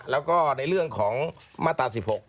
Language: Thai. แล้วก็ในเรื่องของมาตรา๑๖